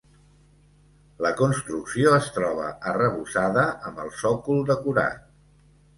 La construcció es troba arrebossada, amb el sòcol decorat.